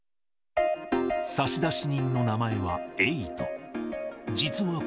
差出人の名前はエイト。